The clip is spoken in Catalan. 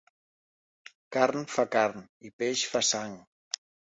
Carn fa carn i peix fa sang.